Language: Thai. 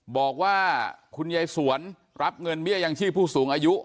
บอกว่าคุณยายสวนรับเงินเบี้ยยังชีพผู้สูงอายุ